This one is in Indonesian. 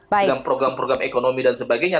dengan program program ekonomi dan sebagainya